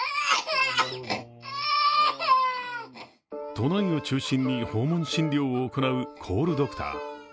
都内を中心に訪問診療を行うコールドクター。